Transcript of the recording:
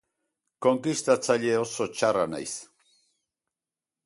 Konkistatzaile oso txarra naiz!